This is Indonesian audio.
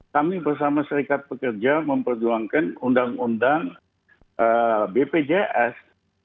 kami bersama serikat pekerja memperjuangkan undang undang bpjs